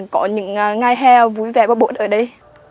có những ngày hè vui vẻ và bột ở đây